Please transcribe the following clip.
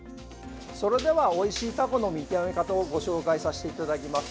それではおいしいタコの見極め方をご紹介させていただきます。